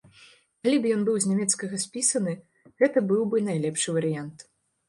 Калі б ён быў з нямецкага спісаны, гэта быў бы найлепшы варыянт.